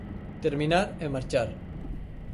Terminar e marchar.